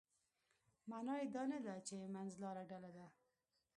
معنا یې دا نه ده چې منځلاره ډله ده.